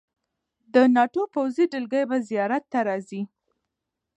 د ناټو پوځي دلګۍ به زیارت ته راځي.